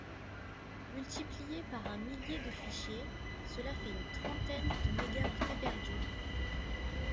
Multiplié par un millier de fichiers, cela fait une trentaine de mégaoctets perdus.